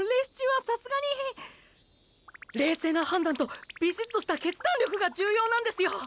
冷静な判断とビシッとした決断力が重要なんですよ。